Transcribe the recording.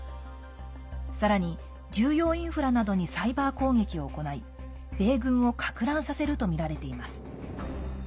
さらに、重要インフラなどにサイバー攻撃を行い米軍をかく乱させるとみられています。